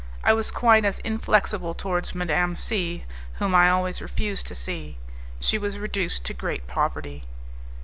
I was quite as inflexible towards Madame C , whom I always refused to see. She was reduced to great poverty.